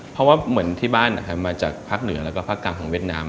เพราะว่าเหมือนที่บ้านมาจากภาคเหนือแล้วก็ภาคกลางของเวียดนาม